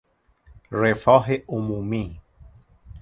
رفاه عمومی